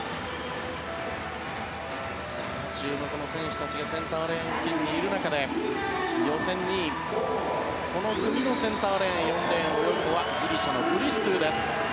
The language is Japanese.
注目の選手たちがセンターレーン付近にいる中で予選２位この組のセンターレーン４レーンを泳ぐのはギリシャのクリストゥです。